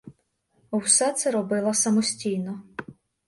Все це робила самостійно.